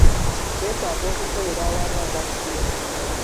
Twetaaga okukolera awamu nga ttiimu.